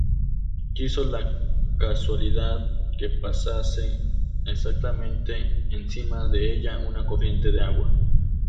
Quiso la casualidad que pasase exactamente encima de ella una corriente de agua.